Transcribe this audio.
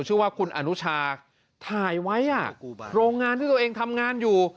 ชื่อว่าคุณอนุชาถ่ายไว้โรงงานที่ตัวเองทำงานอยู่